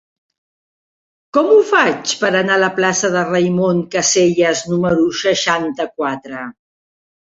Com ho faig per anar a la plaça de Raimon Casellas número seixanta-quatre?